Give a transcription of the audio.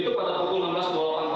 tapan di tupi gelas